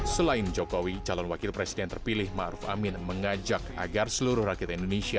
selain jokowi calon wakil presiden terpilih ma'ruf amin mengajak agar seluruh rakyat indonesia